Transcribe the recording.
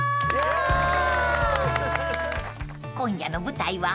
［今夜の舞台は］